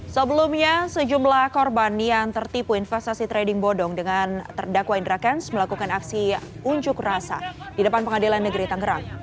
sebelumnya sejumlah korban yang tertipu investasi trading bodong dengan terdakwa indra kents melakukan aksi unjuk rasa di depan pengadilan negeri tangerang